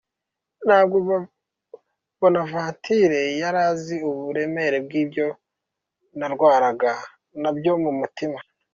Ntabwo Bonaventure yari azi uburemere bw’ibyo narwanaga nabyo mu mutima.